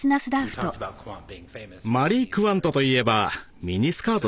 マリー・クワントといえばミニスカートですね。